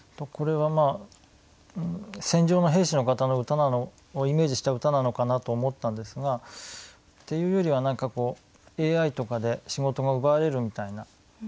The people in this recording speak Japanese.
これは戦場の兵士の方をイメージした歌なのかなと思ったんですがっていうよりは何かＡＩとかで仕事が奪われるみたいな。